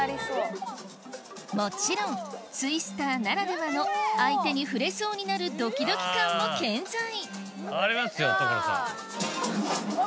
もちろんツイスターならではの相手に触れそうになるドキドキ感も健在ありますよ所さん。